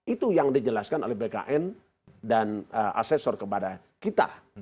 itu yang dijelaskan oleh bkn dan asesor kepada kita